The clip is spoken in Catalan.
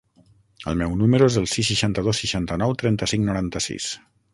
El meu número es el sis, seixanta-dos, seixanta-nou, trenta-cinc, noranta-sis.